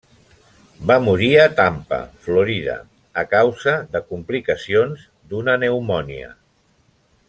Va morir a Tampa, Florida, a causa de complicacions d'una pneumònia.